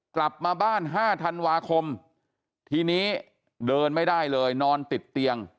กลับมาบ้าน๕ธันวาคมทีนี้เดินไม่ได้เลยนอนติดเตียง